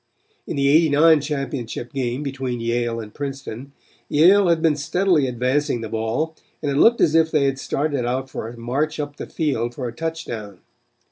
In the '89 championship game between Yale and Princeton, Yale had been steadily advancing the ball and it looked as if they had started out for a march up the field for a touchdown.